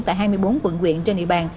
tại hai mươi bốn quận quyện trên địa bàn